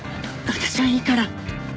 私はいいから早く。